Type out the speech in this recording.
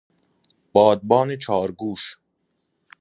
بادبان چهارگوش